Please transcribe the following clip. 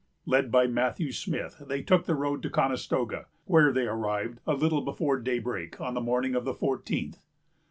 Led by Matthew Smith, they took the road to Conestoga, where they arrived a little before daybreak, on the morning of the fourteenth.